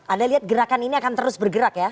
anda lihat gerakan ini akan terus bergerak ya